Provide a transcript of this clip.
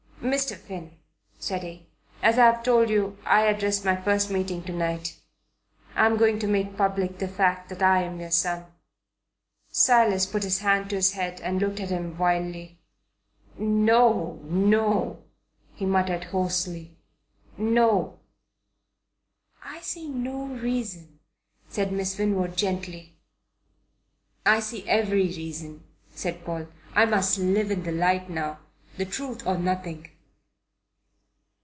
"Mr. Finn," said he, "as I've told you, I address my first meeting to night. I am going to make public the fact that I'm your son." Silas put his hand to his head and looked at him wildly. "No, no," he muttered hoarsely "no." "I see no reason," said Miss Winwood gently. "I see every reason," said Paul. "I must live in the light now. The truth or nothing."